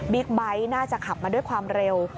ไบท์น่าจะขับมาด้วยความเร็ว